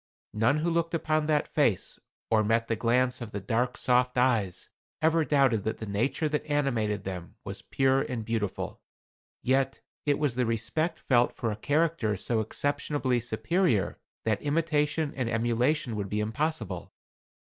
None who looked upon that face or met the glance of the dark soft eyes ever doubted that the nature that animated them was pure and beautiful. Yet it was the respect felt for a character so exceptionably superior that imitation and emulation would be impossible.